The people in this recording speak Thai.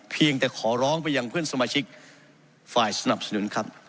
เพียงแต่ขอร้องไปยังเพื่อนสมาชิกฝ่ายสนับสนุนครับ